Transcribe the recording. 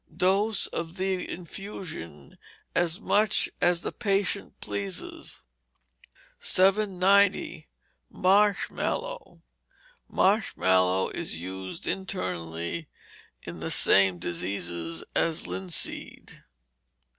Dose, of the infusion, as much as the patient pleases. 790. Marsh Mallow Marsh Mallow is used internally in the same diseases as linseed.